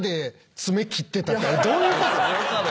あれどういうこと？